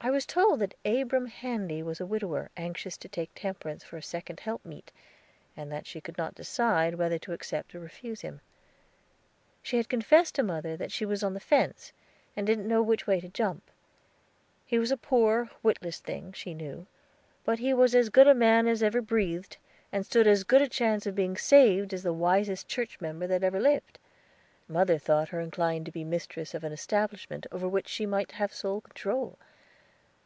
I was told that Abram Handy was a widower anxious to take Temperance for a second helpmeet, and that she could not decide whether to accept or refuse him. She had confessed to mother that she was on the fence, and didn't know which way to jump. He was a poor, witless thing, she knew; but he was as good a man as ever breathed, and stood as good a chance of being saved as the wisest church member that ever lived! Mother thought her inclined to be mistress of an establishment over which she might have sole control.